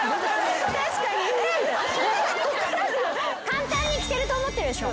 簡単に着てると思ってるでしょ。